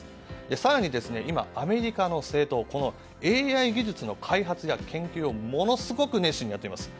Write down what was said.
更に今、アメリカの政党ＡＩ技術の開発や研究をものすごく熱心にやっています。